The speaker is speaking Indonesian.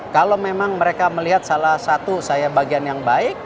kalau memang mereka melihat salah satu saya bagian yang baik